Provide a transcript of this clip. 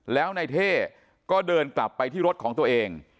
แล้วนายเท่ก็เดินกลับไปที่รถของตัวเอง